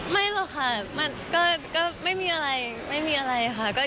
ไม่หรอกค่ะก็ไม่มีอะไรไม่มีอะไรค่ะ